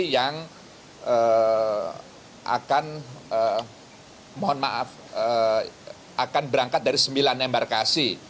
yang akan berangkat dari sembilan embarkasi